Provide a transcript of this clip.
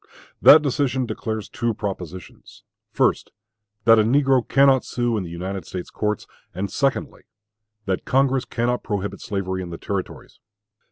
That decision declares two propositions first, that a negro cannot sue in the United States courts; and secondly, that Congress cannot prohibit slavery in the Territories.